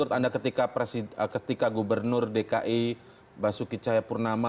jadi tepat menurut anda ketika gubernur dki basuki cahayapurnama